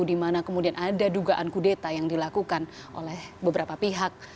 di mana kemudian ada dugaan kudeta yang dilakukan oleh beberapa pihak